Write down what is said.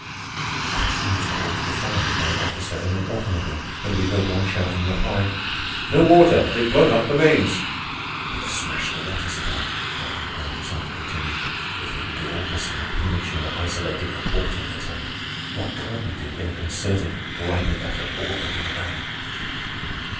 A question was called to the fireman by an officer in an automobile, and we heard one shout in reply: "No water! They've blown up the mains!" "We've smashed the water supply," Hartman cried excitedly to me. "If we can do all this in a premature, isolated, abortive attempt, what can't we do in a concerted, ripened effort all over the land?"